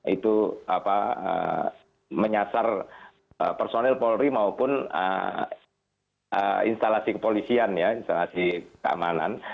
itu menyasar personil polri maupun instalasi kepolisian ya instalasi keamanan